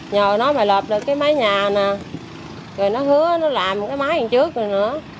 nhờ nó mà lập được cái mái nhà nè rồi nó hứa nó làm cái mái trước rồi nữa